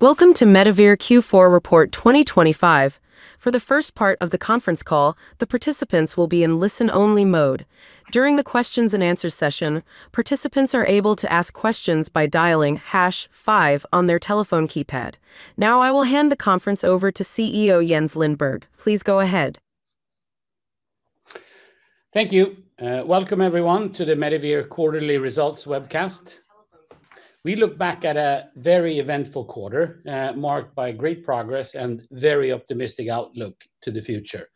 Welcome to Medivir Q4 Report 2025. For the first part of the conference call, the participants will be in listen-only mode. During the questions and answer session, participants are able to ask questions by dialing hash five on their telephone keypad. Now, I will hand the conference over to CEO Jens Lindberg. Please go ahead. Thank you. Welcome everyone, to the Medivir Quarterly Results webcast. We look back at a very eventful quarter, marked by great progress and a very optimistic outlook to the future.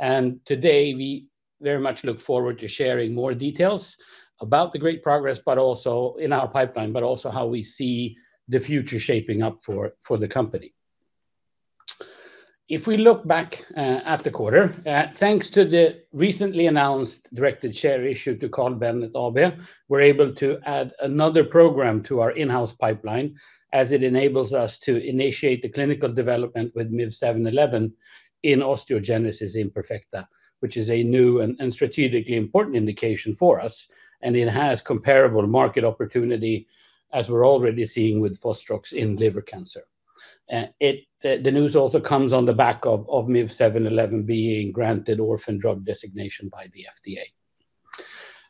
Today, we very much look forward to sharing more details about the great progress, but also in our pipeline, but also how we see the future shaping up for the company. If we look back at the quarter, thanks to the recently announced directed share issue to Carl Bennet AB, we're able to add another program to our in-house pipeline as it enables us to initiate the clinical development with MIV-711 in osteogenesis imperfecta, which is a new and strategically important indication for us, and it has comparable market opportunity as we're already seeing with Fostrox in liver cancer. The news also comes on the back of MIV-711 being granted orphan drug designation by the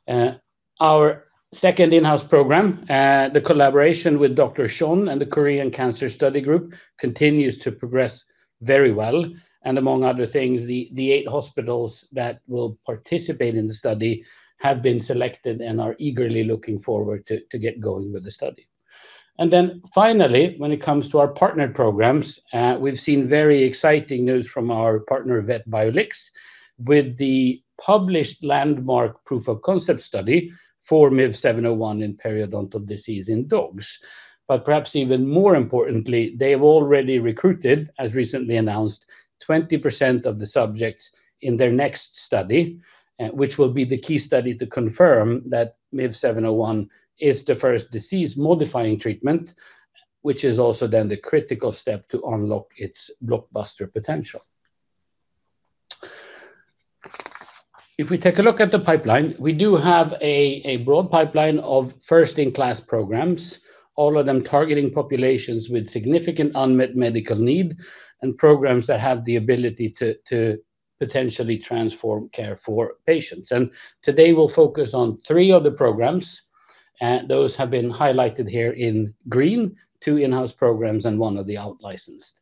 FDA. Our second in-house program, the collaboration with Dr. Chon and the Korean Cancer Study Group, continues to progress very well, and among other things, the eight hospitals that will participate in the study have been selected and are eagerly looking forward to get going with the study. Then finally, when it comes to our partnered programs, we've seen very exciting news from our partner, Vetbiolix, with the published landmark proof of concept study for MIV-701 in periodontal disease in dogs. But perhaps even more importantly, they've already recruited, as recently announced, 20% of the subjects in their next study, which will be the key study to confirm that MIV-701 is the first disease-modifying treatment, which is also then the critical step to unlock its blockbuster potential. If we take a look at the pipeline, we do have a broad pipeline of first-in-class programs, all of them targeting populations with significant unmet medical need and programs that have the ability to potentially transform care for patients. And today we'll focus on three of the programs, those have been highlighted here in green, two in-house programs and one of the out licensed.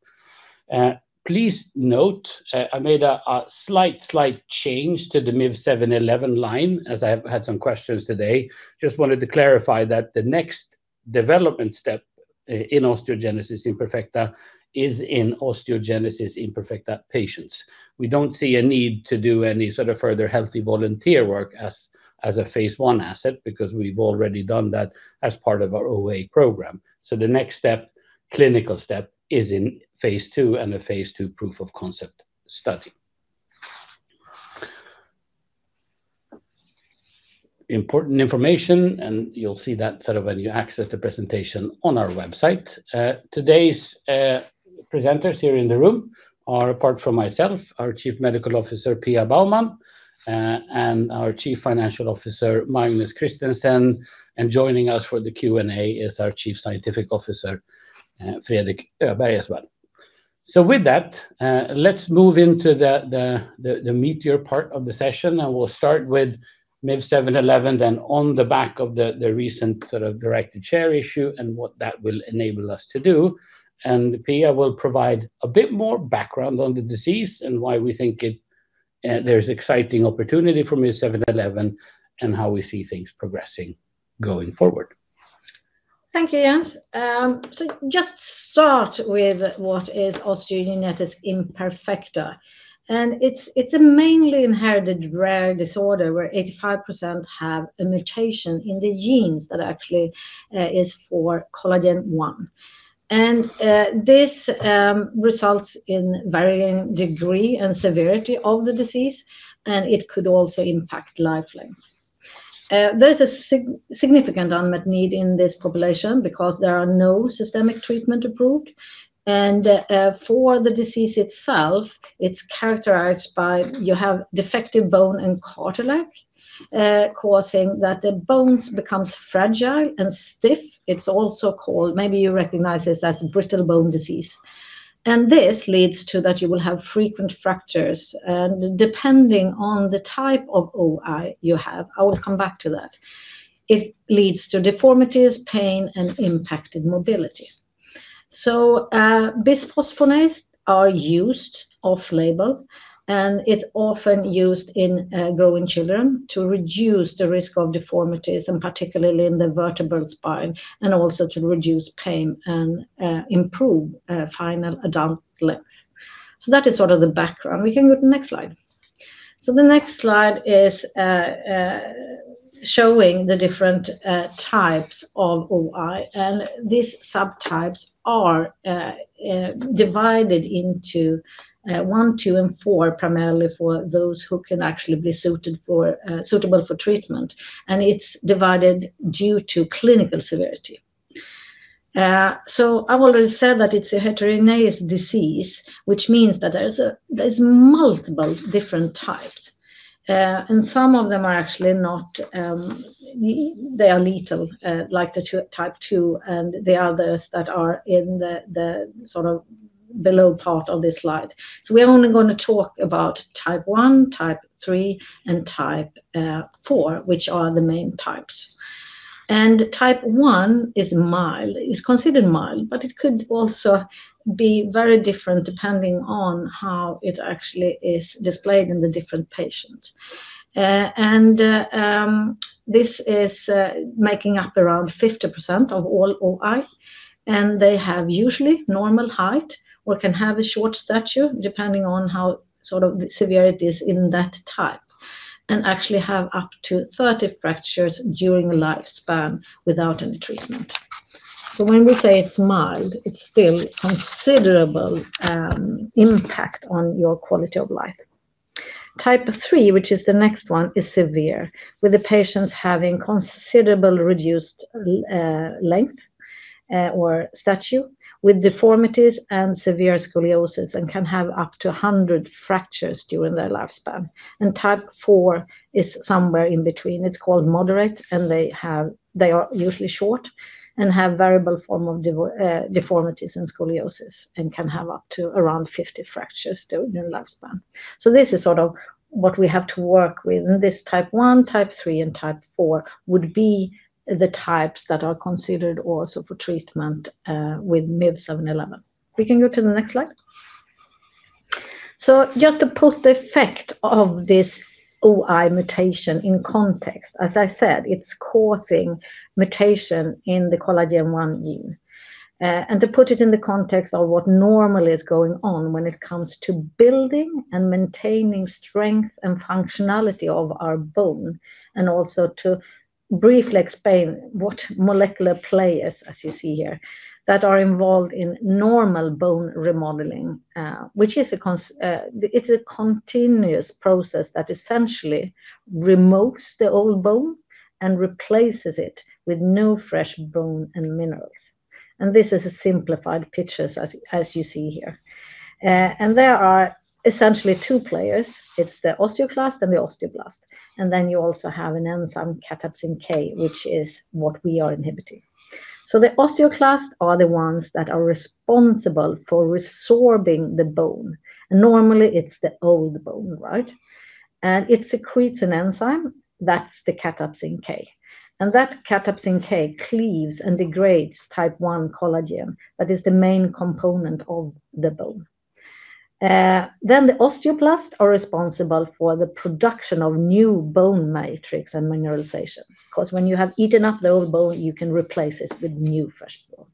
Please note, I made a slight change to the MIV-711 line, as I have had some questions today. Just wanted to clarify that the next development step in osteogenesis imperfecta is in osteogenesis imperfecta patients. We don't see a need to do any sort of further healthy volunteer work as a phase I asset, because we've already done that as part of our OA program. So the next step, clinical step, is in phase II and a phase II proof of concept study. Important information, and you'll see that sort of when you access the presentation on our website. Today's presenters here in the room are, apart from myself, our Chief Medical Officer, Pia Baumann, and our Chief Financial Officer, Magnus Christensen. And joining us for the Q&A is our Chief Scientific Officer, Fredrik Öberg as well. So with that, let's move into the meatier part of the session, and we'll start with MIV-711, then on the back of the recent sort of directed share issue and what that will enable us to do. Pia will provide a bit more background on the disease and why we think it, there's exciting opportunity for MIV-711 and how we see things progressing going forward. Thank you, Jens. So just start with what is osteogenesis imperfecta, and it's a mainly inherited rare disorder, where 85% have a mutation in the genes that actually is for collagen one. And this results in varying degree and severity of the disease, and it could also impact life length. There is a significant unmet need in this population because there are no systemic treatment approved. And for the disease itself, it's characterized by you have defective bone and cartilage, causing that the bones becomes fragile and stiff. It's also called. Maybe you recognize this as brittle bone disease, and this leads to that you will have frequent fractures, and depending on the type of OI you have, I will come back to that, it leads to deformities, pain, and impacted mobility. So, bisphosphonates are used off label, and it's often used in growing children to reduce the risk of deformities, and particularly in the vertebral spine, and also to reduce pain and improve final adult length. So that is sort of the background. We can go to the next slide. So the next slide is showing the different types of OI, and these subtypes are divided into one, two, and four, primarily for those who can actually be suited for suitable for treatment, and it's divided due to clinical severity. So I've already said that it's a heterogeneous disease, which means that there's multiple different types, and some of them are actually not, they are lethal, like type 2, and the others that are in the, the sort of. Below part of this slide. So we are only going to talk about type 1, type 3, and type 4, which are the main types. And type 1 is mild. It's considered mild, but it could also be very different depending on how it actually is displayed in the different patient. And this is making up around 50% of all OI, and they have usually normal height or can have a short stature, depending on how sort of severe it is in that type, and actually have up to 30 fractures during the lifespan without any treatment. So when we say it's mild, it's still considerable impact on your quality of life. Type 3, which is the next one, is severe, with the patients having considerable reduced length or stature, with deformities and severe scoliosis, and can have up to 100 fractures during their lifespan. Type 4 is somewhere in between. It's called moderate, and they are usually short and have variable form of deformities and scoliosis, and can have up to around 50 fractures during their lifespan. So this is sort of what we have to work with. This type 1, type 3, and type 4 would be the types that are considered also for treatment with MIV-711. We can go to the next slide. So just to put the effect of this OI mutation in context, as I said, it's causing mutation in the collagen type 1 gene. And to put it in the context of what normally is going on when it comes to building and maintaining strength and functionality of our bone, and also to briefly explain what molecular players, as you see here, that are involved in normal bone remodeling, which is a continuous process that essentially removes the old bone and replaces it with new, fresh bone and minerals. And this is a simplified picture as you see here. And there are essentially two players. It's the osteoclast and the osteoblast. And then you also have an enzyme, cathepsin K, which is what we are inhibiting. So the osteoclast are the ones that are responsible for resorbing the bone, and normally it's the old bone, right? And it secretes an enzyme, that's the cathepsin K. That cathepsin K cleaves and degrades type 1 collagen, that is the main component of the bone. Then the osteoblast are responsible for the production of new bone matrix and mineralization, because when you have eaten up the old bone, you can replace it with new, fresh bone.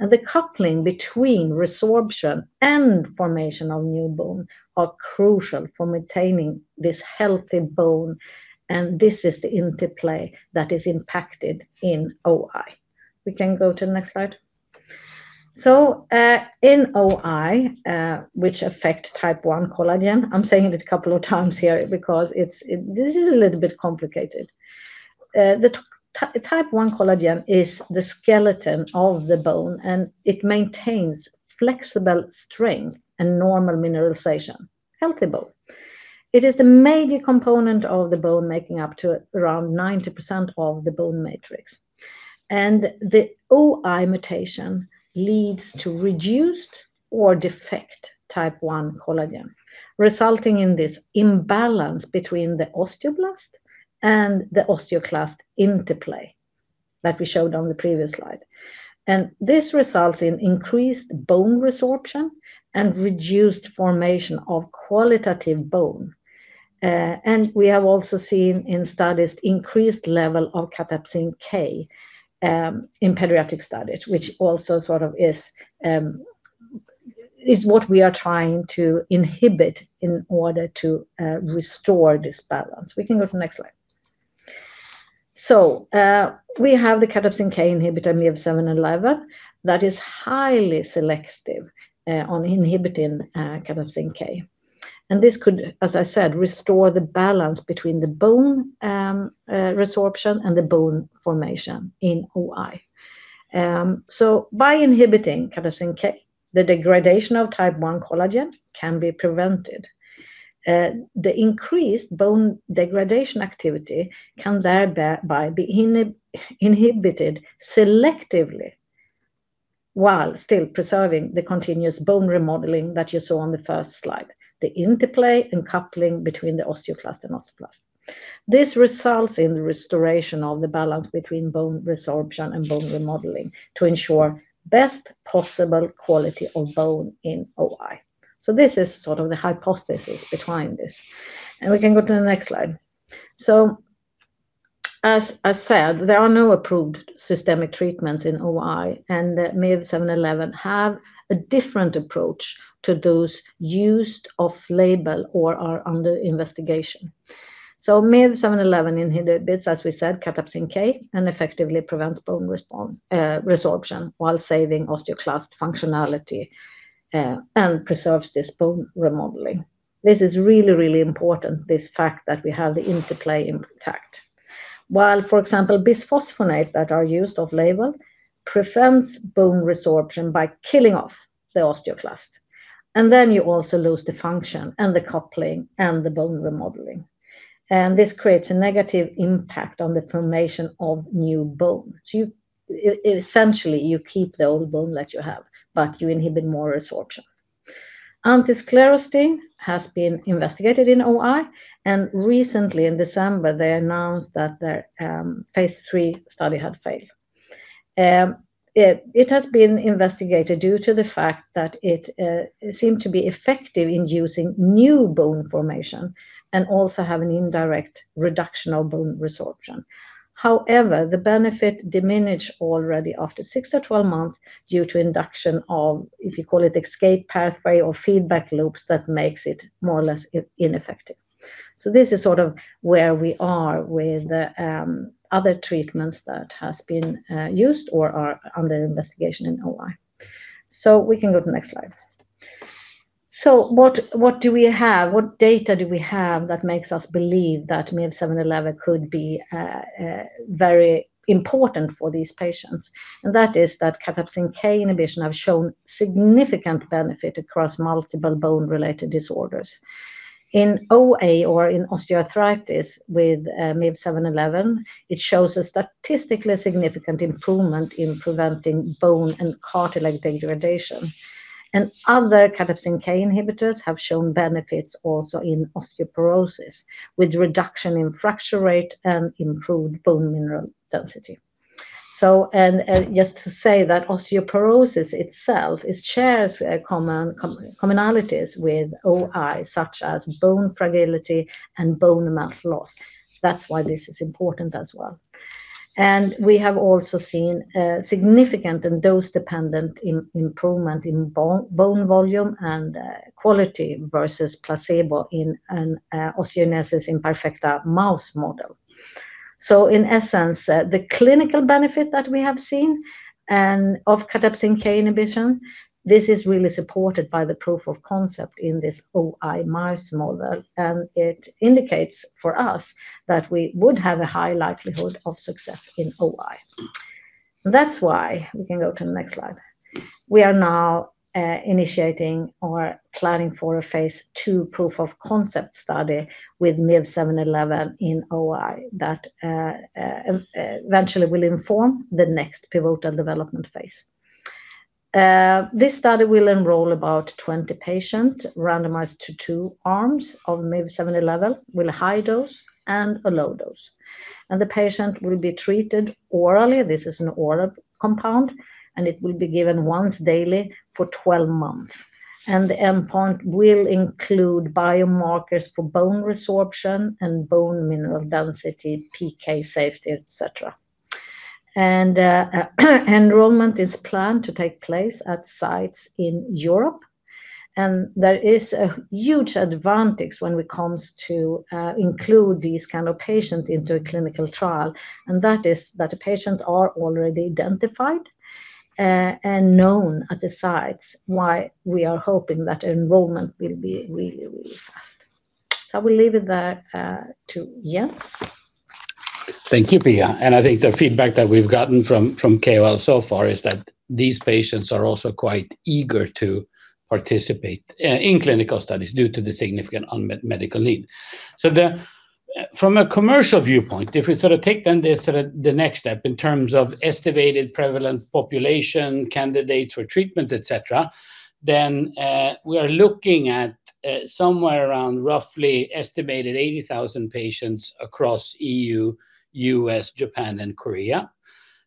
And the coupling between resorption and formation of new bone are crucial for maintaining this healthy bone, and this is the interplay that is impacted in OI. We can go to the next slide. So, in OI, which affect type 1 collagen, I'm saying it a couple of times here because it's a little bit complicated. The type 1 collagen is the skeleton of the bone, and it maintains flexible strength and normal mineralization, healthy bone. It is the major component of the bone, making up to around 90% of the bone matrix. The OI mutation leads to reduced or defective type 1 collagen, resulting in this imbalance between the osteoblast and the osteoclast interplay that we showed on the previous slide. This results in increased bone resorption and reduced formation of qualitative bone. And we have also seen in studies increased level of cathepsin K in pediatric studies, which also sort of is what we are trying to inhibit in order to restore this balance. We can go to the next slide. We have the cathepsin K inhibitor, MIV-711, that is highly selective on inhibiting cathepsin K. And this could, as I said, restore the balance between the bone resorption and the bone formation in OI. So by inhibiting cathepsin K, the degradation of type 1 collagen can be prevented. The increased bone degradation activity can thereby be inhibited selectively, while still preserving the continuous bone remodeling that you saw on the first slide, the interplay and coupling between the osteoclast and osteoblast. This results in the restoration of the balance between bone resorption and bone remodeling to ensure best possible quality of bone in OI. So this is sort of the hypothesis behind this, and we can go to the next slide. So as I said, there are no approved systemic treatments in OI, and MIV-711 have a different approach to those used off-label or are under investigation. So MIV-711 inhibits, as we said, cathepsin K and effectively prevents bone resorption while saving osteoclast functionality, and preserves this bone remodeling. This is really, really important, this fact that we have the interplay intact. While, for example, bisphosphonates that are used off-label prevents bone resorption by killing off the osteoclast. And then you also lose the function, and the coupling, and the bone remodeling. And this creates a negative impact on the formation of new bone. So you, essentially, you keep the old bone that you have, but you inhibit more resorption. Anti-sclerostin has been investigated in OI, and recently in December, they announced that their phase III study had failed. It has been investigated due to the fact that it seemed to be effective in inducing new bone formation and also have an indirect reduction of bone resorption. However, the benefit diminished already after six to 12 months due to induction of, if you call it escape pathway or feedback loops, that makes it more or less ineffective. So this is sort of where we are with the other treatments that has been used or are under investigation in OI. So we can go to the next slide. So what, what do we have? What data do we have that makes us believe that MIV-711 could be very important for these patients? And that is that cathepsin K inhibition have shown significant benefit across multiple bone-related disorders. In OA, or in osteoarthritis, with MIV-711, it shows a statistically significant improvement in preventing bone and cartilage degradation. And other cathepsin K inhibitors have shown benefits also in osteoporosis, with reduction in fracture rate and improved bone mineral density. So, just to say that osteoporosis itself shares commonalities with OI, such as bone fragility and bone mass loss. That's why this is important as well. And we have also seen a significant and dose-dependent improvement in bone volume and quality versus placebo in an osteogenesis imperfecta mouse model. So in essence, the clinical benefit that we have seen, and of cathepsin K inhibition, this is really supported by the proof of concept in this OI mouse model, and it indicates for us that we would have a high likelihood of success in OI. That's why. We can go to the next slide. We are now initiating or planning for a phase II proof of concept study with MIV-711 in OI that eventually will inform the next pivotal development phase. This study will enroll about 20 patients randomized to two arms of MIV-711, with a high dose and a low dose. The patient will be treated orally. This is an oral compound, and it will be given once daily for 12 months. The endpoint will include biomarkers for bone resorption and bone mineral density, PK safety, et cetera. Enrollment is planned to take place at sites in Europe, and there is a huge advantage when it comes to include these kind of patients into a clinical trial, and that is that the patients are already identified and known at the sites, why we are hoping that enrollment will be really, really fast. I will leave it there to Jens. Thank you, Pia. And I think the feedback that we've gotten from KOL so far is that these patients are also quite eager to participate in clinical studies due to the significant unmet medical need. So from a commercial viewpoint, if we sort of take then this sort of the next step in terms of estimated prevalent population, candidates for treatment, et cetera, then we are looking at somewhere around roughly estimated 80,000 patients across E.U., U.S., Japan, and Korea.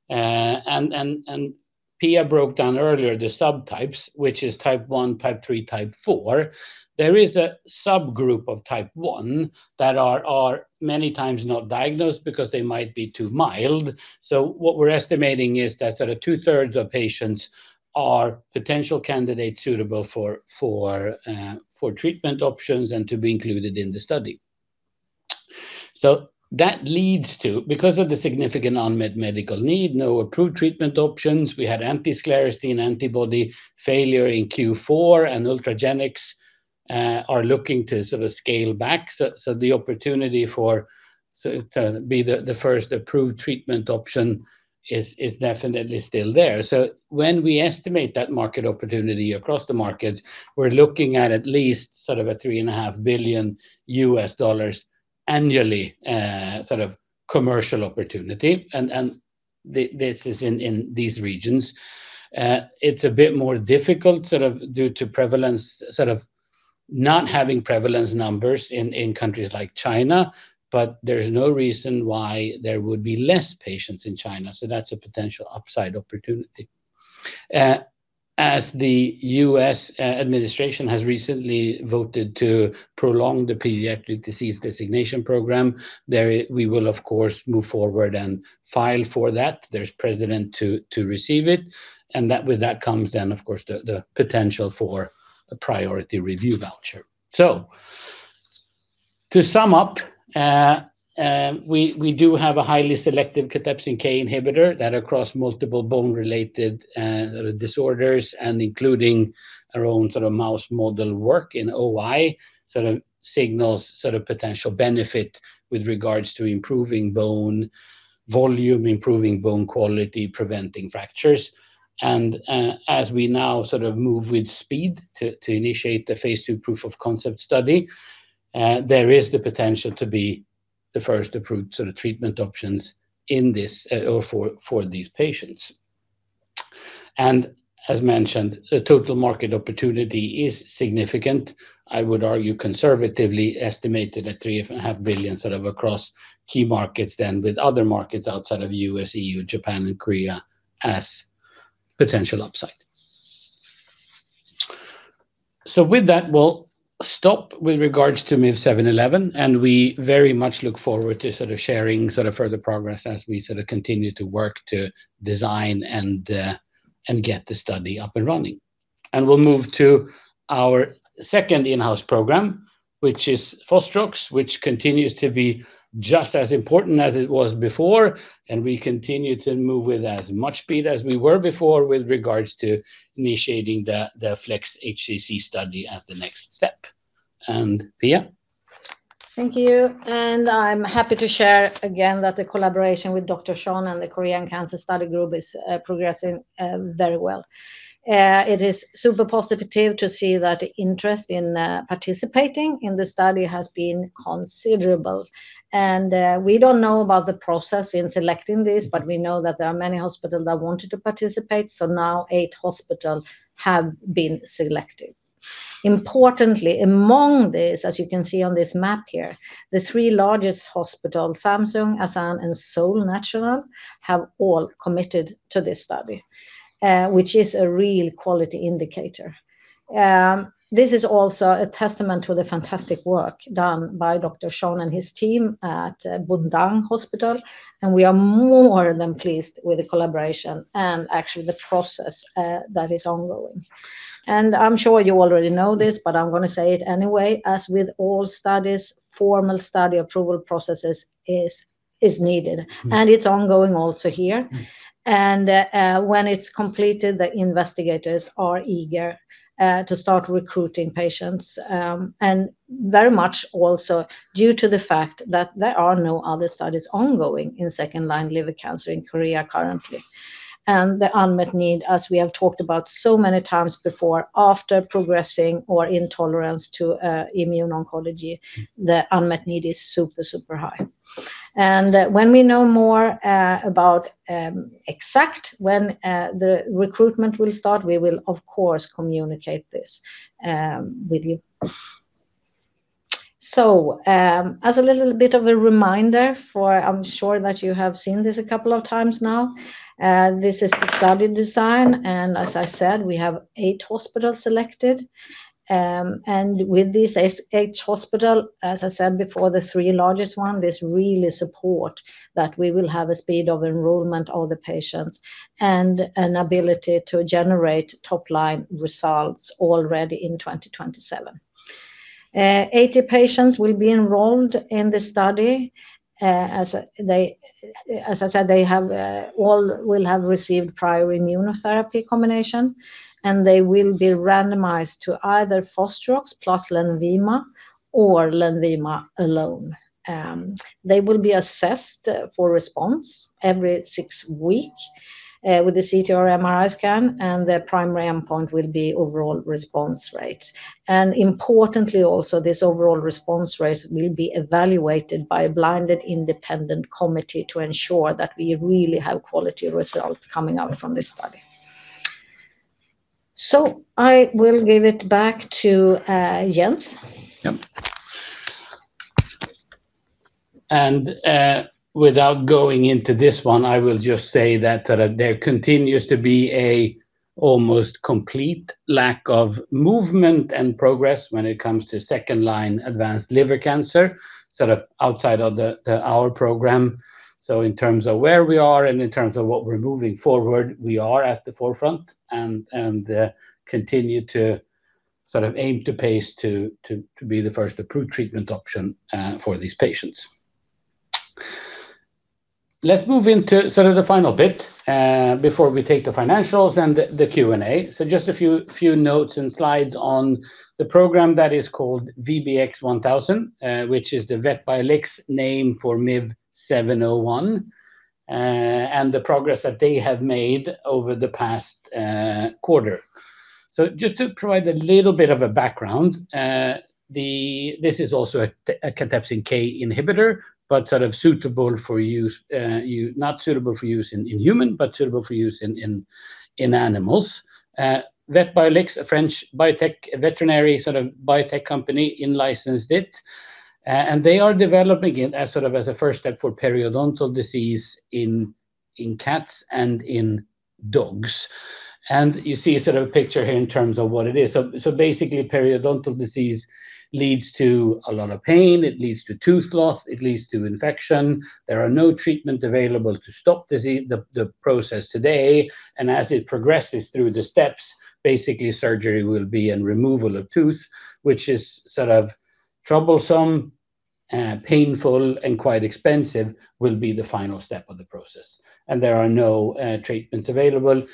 And Pia broke down earlier the subtypes, which is type 1, type 3, type 4. There is a subgroup of type 1 that are many times not diagnosed because they might be too mild. So what we're estimating is that sort of 2/3 of patients are potential candidates suitable for treatment options and to be included in the study. So that leads to, because of the significant unmet medical need, no approved treatment options, we had anti-sclerostin antibody failure in Q4, and Ultragenyx are looking to sort of scale back. So the opportunity for to be the first approved treatment option is definitely still there. So when we estimate that market opportunity across the markets, we're looking at at least sort of a $3.5 billion annually sort of commercial opportunity, and this is in these regions. It's a bit more difficult sort of due to prevalence, sort of not having prevalence numbers in, in countries like China, but there's no reason why there would be less patients in China, so that's a potential upside opportunity. As the U.S., administration has recently voted to prolong the Pediatric Disease Designation Program, we will, of course, move forward and file for that. There's precedent to, to receive it, and that, with that comes then, of course, the, the potential for a priority review voucher. So to sum up, we, we do have a highly selective cathepsin K inhibitor that across multiple bone-related, sort of disorders, and including our own sort of mouse model work in OI, sort of signals sort of potential benefit with regards to improving bone volume, improving bone quality, preventing fractures. As we now sort of move with speed to initiate the phase II proof of concept study, there is the potential to be the first approved sort of treatment options in this, or for these patients. And as mentioned, the total market opportunity is significant. I would argue conservatively estimated at $3.5 billion across key markets, then with other markets outside of U.S., E.U., Japan and Korea as potential upside. So with that, we'll stop with regards to MIV-711, and we very much look forward to sort of sharing sort of further progress as we sort of continue to work to design and get the study up and running. We'll move to our second in-house program, which is Fostrox, which continues to be just as important as it was before, and we continue to move with as much speed as we were before with regards to initiating the FLEX-HCC study as the next step. And Pia? Thank you. I'm happy to share again that the collaboration with Dr. Chon and the Korean Cancer Study Group is progressing very well. It is super positive to see that interest in participating in the study has been considerable. We don't know about the process in selecting this, but we know that there are many hospitals that wanted to participate, so now 8 hospitals have been selected. Importantly, among this, as you can see on this map here, the 3 largest hospitals, Samsung, Asan, and Seoul National, have all committed to this study, which is a real quality indicator. This is also a testament to the fantastic work done by Dr. Chon and his team at Bundang Hospital, and we are more than pleased with the collaboration and actually the process that is ongoing. I'm sure you already know this, but I'm gonna say it anyway, as with all studies, formal study approval processes is needed- Mm. And it's ongoing also here. Mm. When it's completed, the investigators are eager to start recruiting patients, and very much also due to the fact that there are no other studies ongoing in second-line liver cancer in Korea currently. The unmet need, as we have talked about so many times before, after progressing or intolerance to immune oncology, is super, super high. When we know more about exact when the recruitment will start, we will of course communicate this with you. As a little bit of a reminder for, I'm sure that you have seen this a couple of times now, this is the study design, and as I said, we have eight hospitals selected. And with these eight hospitals, as I said before, the three largest ones, this really supports that we will have a speed of enrollment of the patients and an ability to generate top-line results already in 2027. 80 patients will be enrolled in the study, as I said, all will have received prior immunotherapy combination, and they will be randomized to either Fostrox plus Lenvima or Lenvima alone. They will be assessed for response every six weeks, with the CT or MRI scan, and the primary endpoint will be overall response rate. Importantly, also, this overall response rate will be evaluated by a blinded independent committee to ensure that we really have quality results coming out from this study. So, I will give it back to Jens. Yep. And without going into this one, I will just say that there continues to be a almost complete lack of movement and progress when it comes to second-line advanced liver cancer, sort of outside of our program. So in terms of where we are and in terms of what we're moving forward, we are at the forefront and continue to sort of aim to be the first approved treatment option for these patients. Let's move into sort of the final bit before we take the financials and the Q&A. So just a few notes and slides on the program that is called VBX-1000, which is the Vetbiolix name for MIV-701, and the progress that they have made over the past quarter. So just to provide a little bit of a background, this is also a cathepsin K inhibitor, but sort of suitable for use, not suitable for use in humans, but suitable for use in animals. Vetbiolix, a French biotech, veterinary sort of biotech company, in-licensed it, and they are developing it as sort of as a first step for periodontal disease in cats and in dogs. And you see a sort of picture here in terms of what it is. So basically, periodontal disease leads to a lot of pain, it leads to tooth loss, it leads to infection. There are no treatment available to stop disease, the process today, and as it progresses through the steps, basically surgery will be in removal of tooth, which is sort of troublesome, painful, and quite expensive, will be the final step of the process, and there are no treatments available.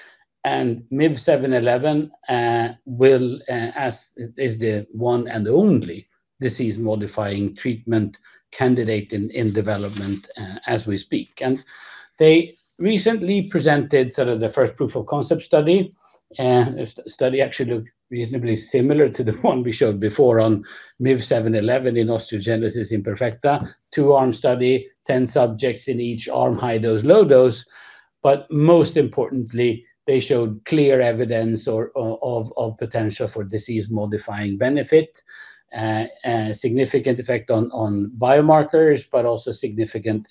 And MIV-711 will as is the one and only disease-modifying treatment candidate in development as we speak. And they recently presented sort of the first proof of concept study. And this study actually looked reasonably similar to the one we showed before on MIV-711 in osteogenesis imperfecta. Two-arm study, 10 subjects in each arm, high dose, low dose, but most importantly, they showed clear evidence of potential for disease-modifying benefit, and significant effect on biomarkers, but also significant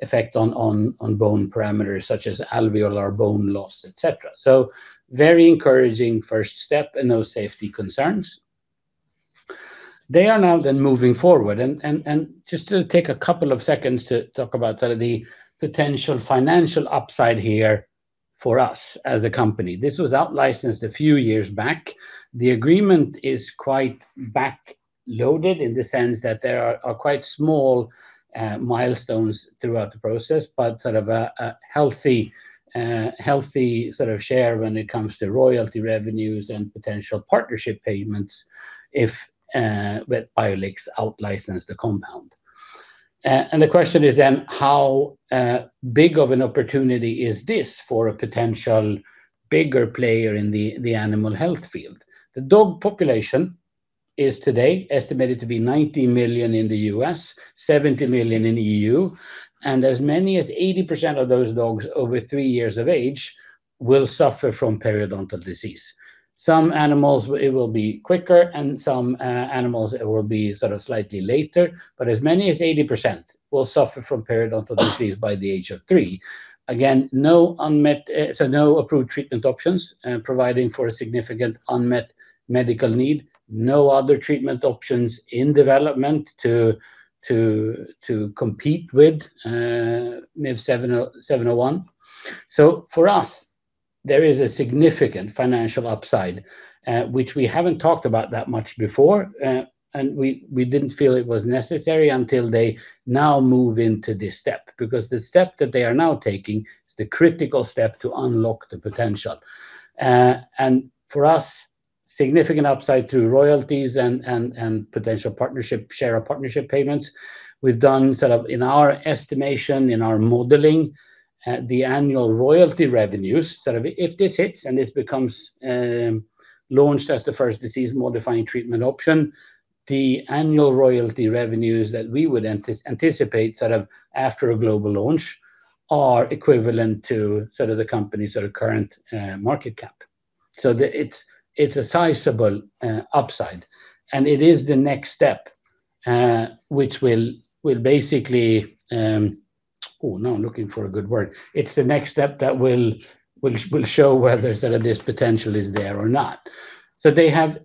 effect on bone parameters such as alveolar bone loss, et cetera. So very encouraging first step and no safety concerns. They are now moving forward and just to take a couple of seconds to talk about sort of the potential financial upside here for us as a company. This was outlicensed a few years back. The agreement is quite back-loaded in the sense that there are quite small milestones throughout the process, but sort of a healthy sort of share when it comes to royalty revenues and potential partnership payments if Vetbiolix outlicenses the compound. The question is then, how big of an opportunity is this for a potential bigger player in the animal health field? The dog population is today estimated to be 90 million in the U.S., 70 million in the E.U., and as many as 80% of those dogs over three years of age will suffer from periodontal disease. Some animals, it will be quicker, and some animals, it will be sort of slightly later. But as many as 80% will suffer from periodontal disease by the age of three. Again, no approved treatment options, providing for a significant unmet medical need. No other treatment options in development to compete with MIV-701. So for us, there is a significant financial upside, which we haven't talked about that much before, and we didn't feel it was necessary until they now move into this step. Because the step that they are now taking is the critical step to unlock the potential. And for us, significant upside to royalties and potential partnership, share of partnership payments. We've done sort of, in our estimation, in our modeling, the annual royalty revenues, sort of if this hits and this becomes launched as the first disease-modifying treatment option, the annual royalty revenues that we would anticipate, sort of after a global launch, are equivalent to sort of the company's current market cap. It's a sizable upside, and it is the next step, which will basically. Oh, now I'm looking for a good word. It's the next step that will show whether sort of this potential is there or not. So they have,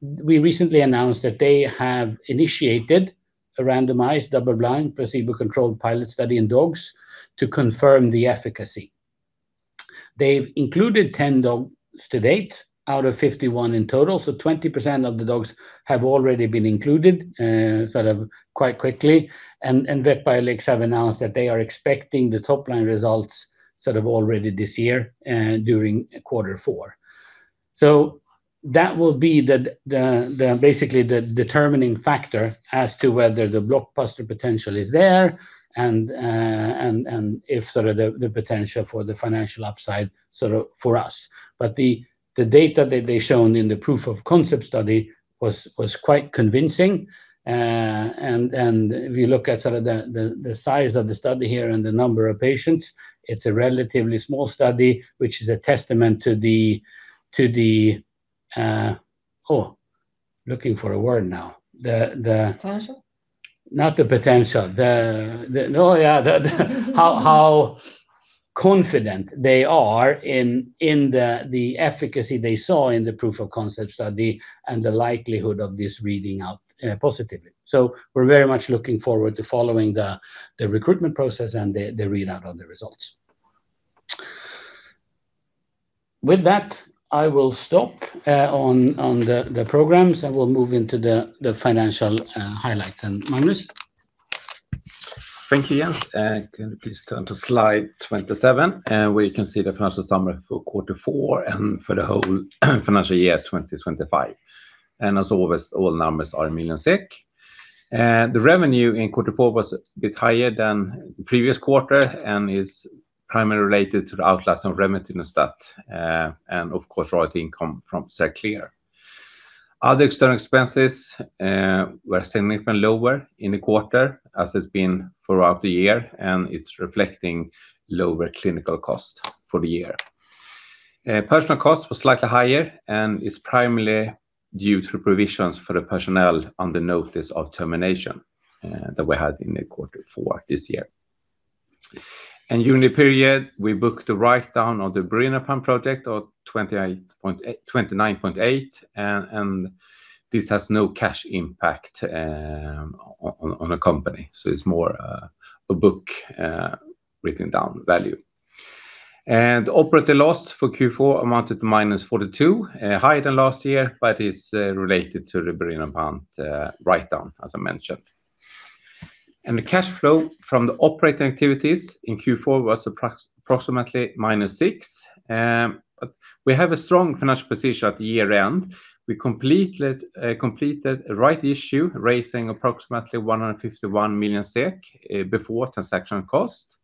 we recently announced that they have initiated a randomized, double-blind, placebo-controlled pilot study in dogs to confirm the efficacy. They've included 10 dogs to date out of 51 in total, so 20% of the dogs have already been included, sort of quite quickly. And Vetbiolix have announced that they are expecting the top-line results sort of already this year, during Q4. So that will be basically the determining factor as to whether the blockbuster potential is there and if sort of the potential for the financial upside, sort of for us. But the data that they've shown in the proof of concept study was quite convincing. And if you look at sort of the size of the study here and the number of patients, it's a relatively small study, which is a testament to the how confident they are in the efficacy they saw in the proof of concept study and the likelihood of this reading out positively. So we're very much looking forward to following the recruitment process and the readout of the results. With that, I will stop on the programs, and we'll move into the financial highlights. And Magnus? Thank you, Jens. Can you please turn to slide 27, and we can see the financial summary for Q4 and for the whole financial year, 2025. And as always, all numbers are in million SEK. The revenue in Q4 was a bit higher than the previous quarter and is primarily related to the outlicense of remetinostat, and of course, royalty income from Xerclear. Other external expenses were significantly lower in the quarter, as has been throughout the year, and it's reflecting lower clinical cost for the year. Personnel costs were slightly higher, and it's primarily due to provisions for the personnel on the notice of termination, that we had in Q4 this year. And during the period, we booked a write-down on the birinapant project of 28 point. 29.8, and this has no cash impact on the company, so it's more a book written down value. Operating loss for Q4 amounted to -42, higher than last year, but it's related to the birinapant write-down, as I mentioned. The cash flow from the operating activities in Q4 was approximately -6. We have a strong financial position at the year-end. We completed a rights issue, raising approximately 151 million SEK before transaction cost,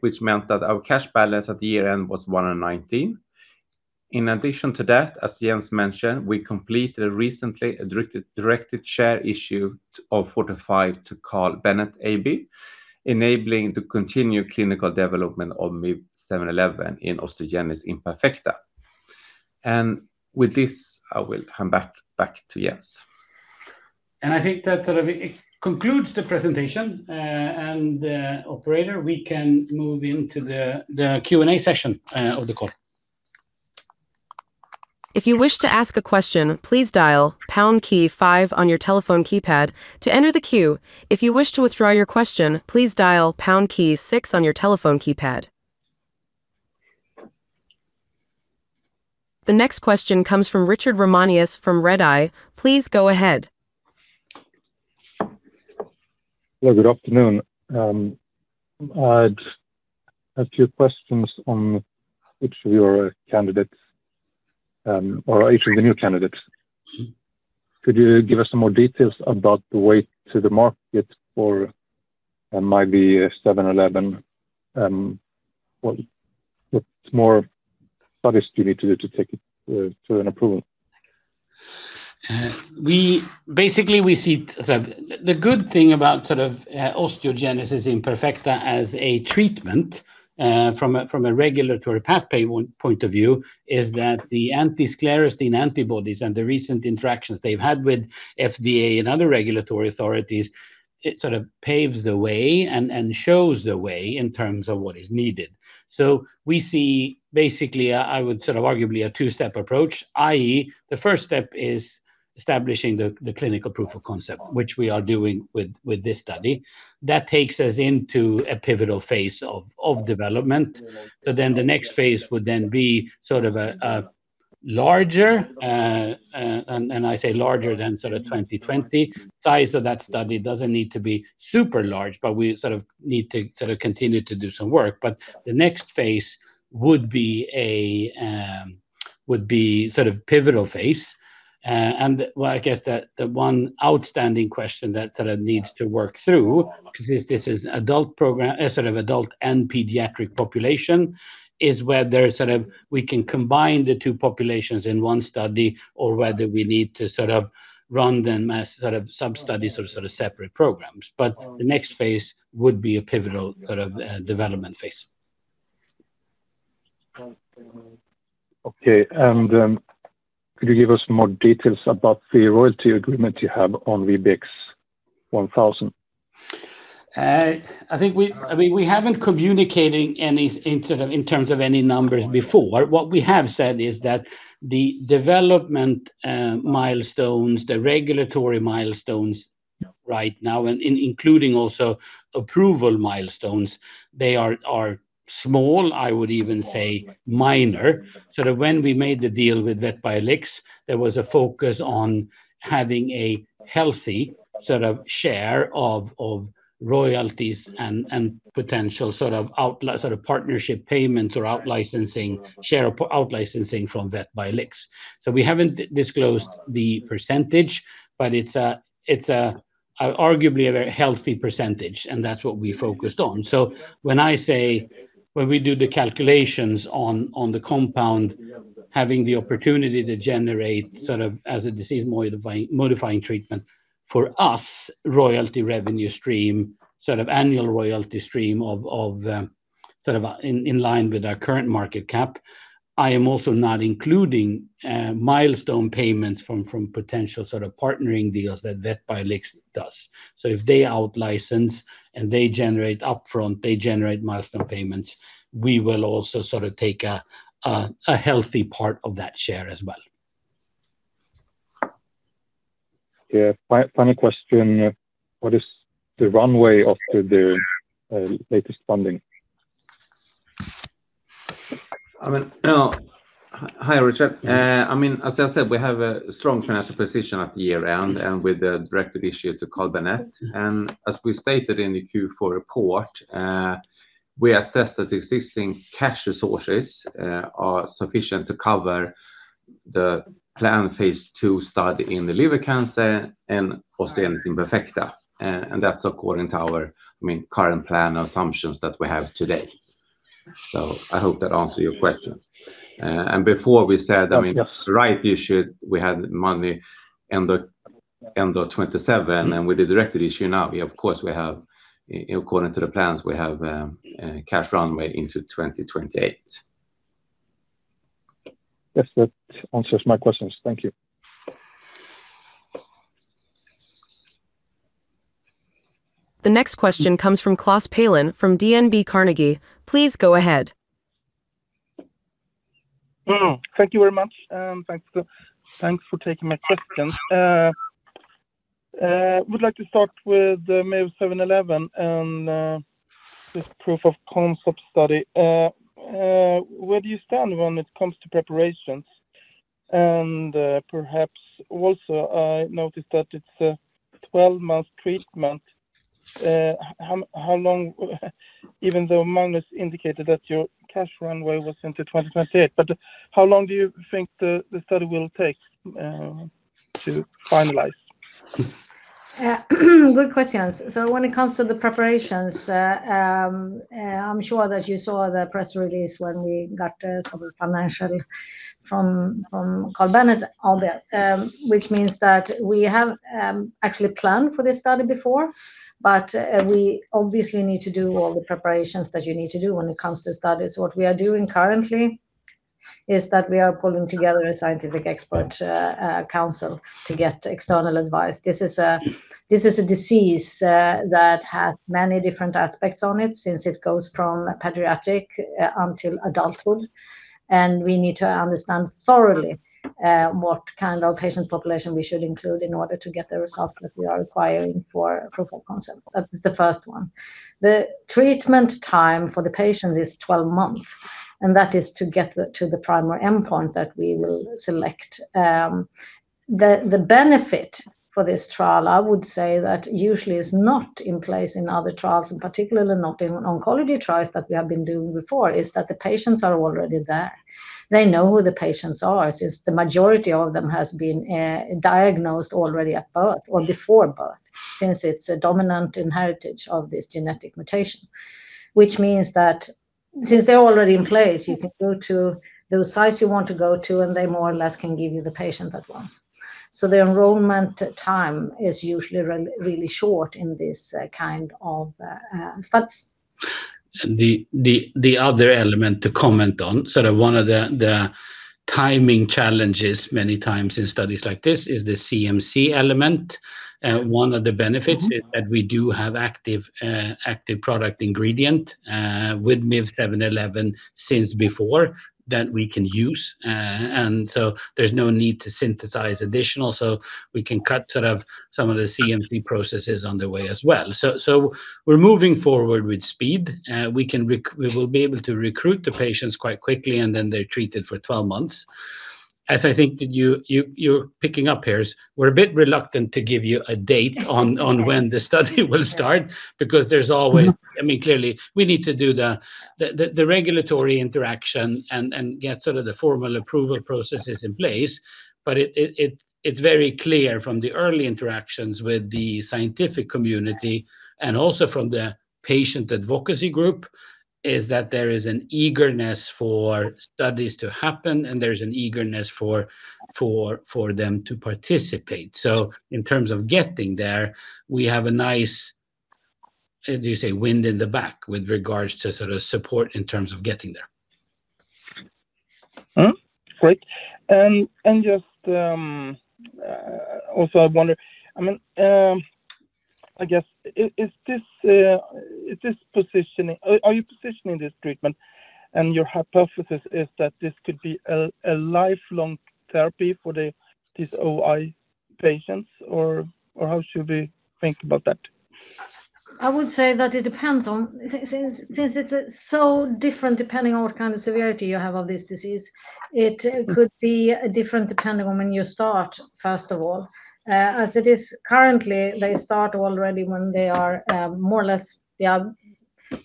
which meant that our cash balance at the year-end was 119 million. In addition to that, as Jens mentioned, we completed recently a directed share issue of SEK 45 million to Carl Bennet AB, enabling to continue clinical development of MIV-711 in osteogenesis imperfecta. With this, I will come back, back to Jens. I think that, sort of, it concludes the presentation, and operator, we can move into the Q&A session of the call. If you wish to ask a question, please dial pound key five on your telephone keypad to enter the queue. If you wish to withdraw your question, please dial pound key six on your telephone keypad. The next question comes from Richard Ramanius from Redeye. Please go ahead. Hello, good afternoon. I had a few questions on each of your candidates, or each of the new candidates. Could you give us some more details about the way to the market for MIV-711? What more studies do you need to do to take it to an approval? We basically see the good thing about sort of osteogenesis imperfecta as a treatment from a regulatory pathway point of view is that the anti-sclerostin antibodies and the recent interactions they've had with FDA and other regulatory authorities. It sort of paves the way and shows the way in terms of what is needed. So we see basically I would sort of arguably a two-step approach, i.e., the first step is establishing the clinical proof of concept, which we are doing with this study. That takes us into a pivotal phase of development. So then the next phase would then be sort of a larger. I say larger than sort of 2020 size of that study doesn't need to be super large, but we sort of need to sort of continue to do some work. But the next phase would be sort of pivotal phase. And well, I guess the one outstanding question that sort of needs to work through, because this is adult program, sort of adult and pediatric population, is whether sort of we can combine the two populations in one study or whether we need to sort of run them as sort of sub-studies or sort of separate programs. But the next phase would be a pivotal sort of development phase. Okay. Could you give us more details about the royalty agreement you have on VBX-1000? I think, I mean, we haven't communicated any in sort of, in terms of any numbers before. What we have said is that the development milestones, the regulatory milestones right now, and including also approval milestones, they are small, I would even say minor. Sort of, when we made the deal with Vetbiolix, there was a focus on having a healthy sort of share of royalties and potential sort of out-licensing sort of partnership payments or out-licensing share from Vetbiolix. So we haven't disclosed the percentage, but it's arguably a very healthy percentage, and that's what we focused on. So when I say, when we do the calculations on the compound, having the opportunity to generate sort of as a disease-modifying treatment, for us, royalty revenue stream, sort of annual royalty stream of sort of in line with our current market cap, I am also not including milestone payments from potential sort of partnering deals that Vetbiolix does. So if they out-license, and they generate upfront, they generate milestone payments, we will also sort of take a healthy part of that share as well. Yeah. Final question, what is the runway of the latest funding? I mean, hi, Richard. I mean, as I said, we have a strong financial position at the year-end and with the directed issue to Carl Bennet AB. And as we stated in the Q4 report, we assess that existing cash resources are sufficient to cover the planned phase two study in the liver cancer and osteogenesis imperfecta. And that's according to our, I mean, current plan assumptions that we have today. So I hope that answers your questions. And before we said, I mean rights issue, we had money end of 2027, and with the directed issue now, we of course have, according to the plans, cash runway into 2028. Yes, that answers my questions. Thank you. The next question comes from Klas Palin from DNB Carnegie. Please go ahead. Thank you very much, and thanks for, thanks for taking my question. Would like to start with the MIV-711 and this proof of concept study. Where do you stand when it comes to preparations? Perhaps also I noticed that it's a 12-month treatment. How long, even though Magnus indicated that your cash runway was into 2028, but how long do you think the study will take to finalize? Good questions. So when it comes to the preparations, I'm sure that you saw the press release when we got some financial from Carl Bennet on that. Which means that we have actually planned for this study before, but we obviously need to do all the preparations that you need to do when it comes to studies. What we are doing currently is that we are pulling together a scientific expert council to get external advice. This is a disease that has many different aspects on it, since it goes from pediatric until adulthood, and we need to understand thoroughly what kind of patient population we should include in order to get the results that we are requiring for approval concept. That's the first one. The treatment time for the patient is 12 months, and that is to get the, to the primary endpoint that we will select. The benefit for this trial, I would say, that usually is not in place in other trials, and particularly not in oncology trials that we have been doing before, is that the patients are already there. They know who the patients are, since the majority of them has been diagnosed already at birth or before birth, since it's a dominant inheritance of this genetic mutation. Which means that since they're already in place, you can go to those sites you want to go to, and they more or less can give you the patient at once. So the enrollment time is usually really short in this kind of studies. The other element to comment on, sort of one of the timing challenges many times in studies like this is the CMC element. One of the benefits is that we do have active product ingredient with MIV-711 since before, that we can use. And so there's no need to synthesize additional, so we can cut sort of some of the CMC processes on the way as well. So we're moving forward with speed. We will be able to recruit the patients quite quickly, and then they're treated for 12 months. As I think that you you're picking up here, we're a bit reluctant to give you a date on when the study will start, because there's always, I mean, clearly, we need to do the regulatory interaction and get sort of the formal approval processes in place. But it's very clear from the early interactions with the scientific community and also from the patient advocacy group, is that there is an eagerness for studies to happen, and there's an eagerness for them to participate. So in terms of getting there, we have a nice, how do you say, wind in the back with regards to sort of support in terms of getting there. Great. And just also I wonder, I mean, I guess, is this positioning. Are you positioning this treatment, and your hypothesis is that this could be a lifelong therapy for these OI patients, or how should we think about that? I would say that it depends on. Since, since it's so different, depending on what kind of severity you have of this disease, it could be different depending on when you start, first of all. As it is currently, they start already when they are, more or less, they are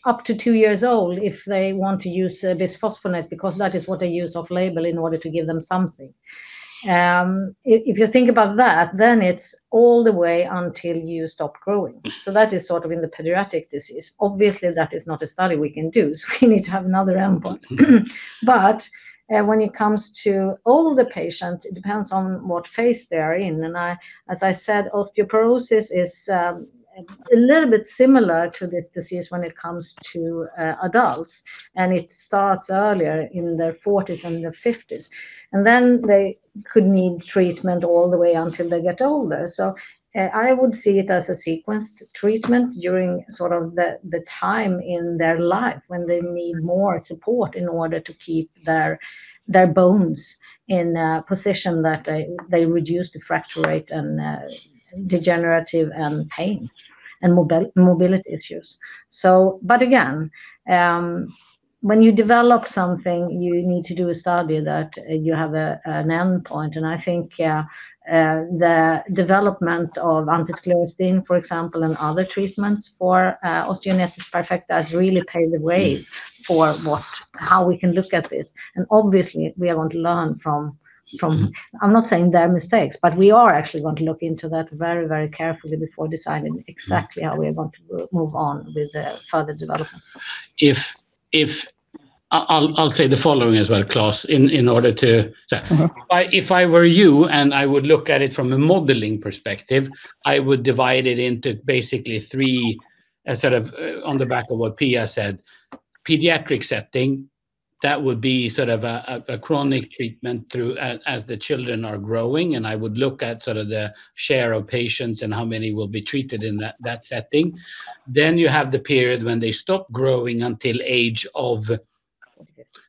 up to two years old if they want to use a bisphosphonate, because that is what they use off label in order to give them something. If, if you think about that, then it's all the way until you stop growing. So that is sort of in the pediatric disease. Obviously, that is not a study we can do, so we need to have another endpoint. But, when it comes to older patient, it depends on what phase they are in. As I said, osteoporosis is a little bit similar to this disease when it comes to adults, and it starts earlier in their forties and their fifties. And then they could need treatment all the way until they get older. So, I would see it as a sequenced treatment during sort of the time in their life when they need more support in order to keep their bones in a position that they reduce the fracture rate and degenerative pain and mobility issues. So but again, when you develop something, you need to do a study that you have an endpoint. And I think the development of anti-sclerostin, for example, and other treatments for osteogenesis imperfecta has really paved the way for how we can look at this. And obviously, we are going to learn from. I'm not saying they are mistakes, but we are actually going to look into that very, very carefully before deciding exactly how we are going to move on with the further development. I'll say the following as well, Klas, If I were you, I would look at it from a modeling perspective. I would divide it into basically three, sort of, on the back of what Pia said, pediatric setting, that would be sort of a chronic treatment through as the children are growing, and I would look at sort of the share of patients and how many will be treated in that setting. Then you have the period when they stop growing until age of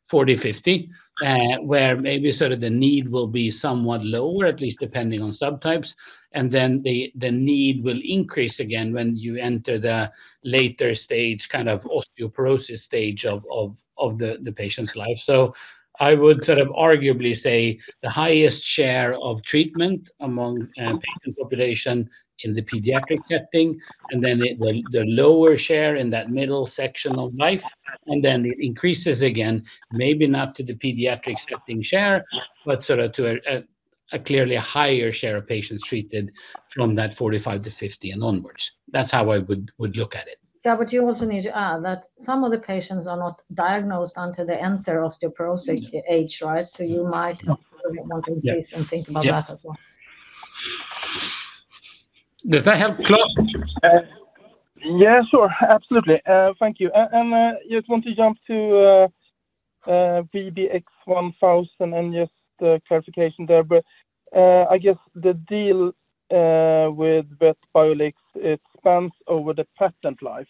40, 50, where maybe sort of the need will be somewhat lower, at least depending on subtypes, and then the need will increase again when you enter the later stage, kind of osteoporosis stage of the patient's life. So I would sort of arguably say the highest share of treatment among patient population in the pediatric setting, and then it will, the lower share in that middle section of life, and then it increases again, maybe not to the pediatric setting share, but sort of to a clearly higher share of patients treated from that 45 to 50 and onwards. That's how I would look at it. Yeah, but you also need to add that some of the patients are not diagnosed until they enter osteoporosis age, right? So you might want to increase and think about that as well. Yeah. Does that help, Klas? Yeah, sure. Absolutely. Thank you. Just want to jump to VBX-1000 and just the clarification there, but I guess the deal with Vetbiolix, it spans over the patent life,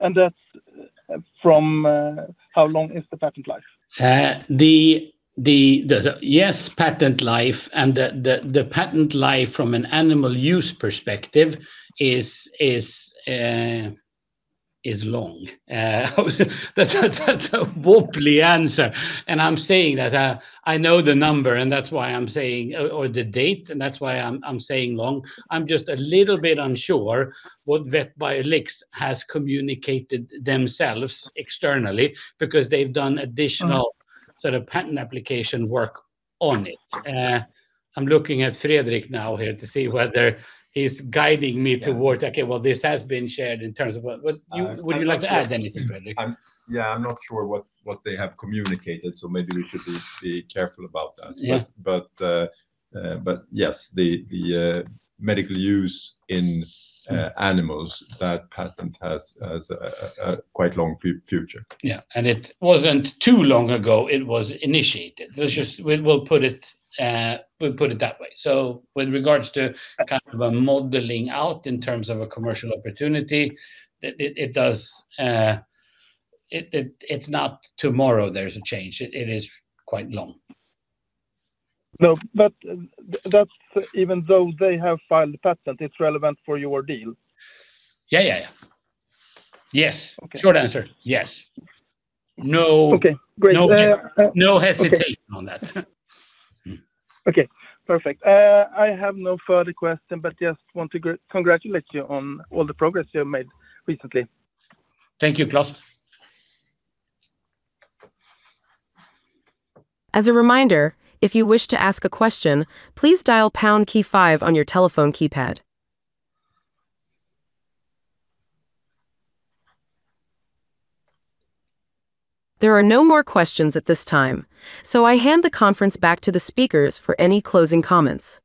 and that's from. How long is the patent life? Yes, patent life, and the patent life from an animal use perspective is long. That's a wobbly answer, and I'm saying that I know the number, and that's why I'm saying. Or the date, and that's why I'm saying long. I'm just a little bit unsure what Vetbiolix has communicated themselves externally, because they've done additional sort of patent application work on it. I'm looking at Fredrik now here to see whether he's guiding me towards. Yeah Okay, well, this has been shared in terms of what, what- I'm not sure. Would you like to add anything, Fredrik? Yeah, I'm not sure what they have communicated, so maybe we should be careful about that. Yeah. Yes, the medical use in animals, that patent has a quite long future. Yeah, and it wasn't too long ago it was initiated. We'll put it that way. So with regards to kind of a modeling out in terms of a commercial opportunity, it does, it's not tomorrow. There's a change. It is quite long. No, but that's even though they have filed a patent, it's relevant for your deal? Yeah, yeah, yeah. Yes. Okay. Short answer, yes. Okay, great. No hesitation on that. Okay, perfect. I have no further question, but just want to congratulate you on all the progress you have made recently. Thank you, Klas. As a reminder, if you wish to ask a question, please dial pound key five on your telephone keypad. There are no more questions at this time, so I hand the conference back to the speakers for any closing comments.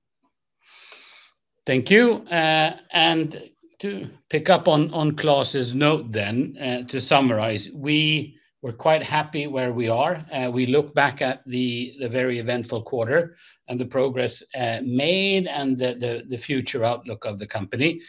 Thank you. And to pick up on Klas's note then, to summarize, we were quite happy where we are. We look back at the very eventful quarter and the progress made and the future outlook of the company.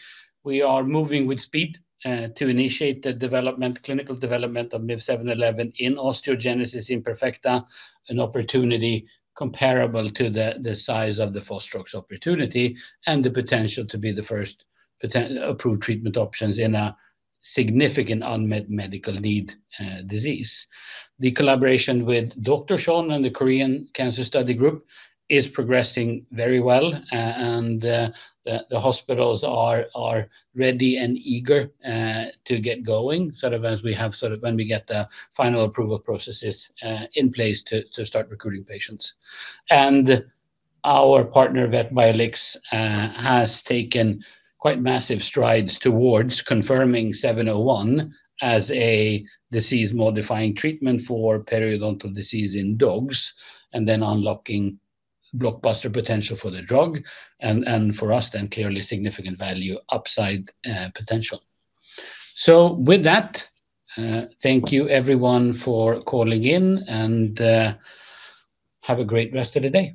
We are moving with speed to initiate the clinical development of MIV-711 in osteogenesis imperfecta, an opportunity comparable to the size of the fostrox opportunity and the potential to be the first potentially approved treatment options in a significant unmet medical need disease. The collaboration with Dr. Chon and the Korean Cancer Study Group is progressing very well, and the hospitals are ready and eager to get going, sort of as we have sort of when we get the final approval processes in place to start recruiting patients. Our partner, Vetbiolix, has taken quite massive strides towards confirming 701 as a disease-modifying treatment for periodontal disease in dogs, and then unlocking blockbuster potential for the drug, and, and for us, then clearly significant value upside, potential. So with that, thank you everyone for calling in, and, have a great rest of the day.